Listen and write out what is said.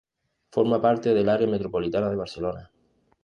Forma parte del área metropolitana de Barcelona.